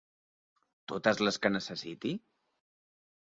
Totes les que necessiti?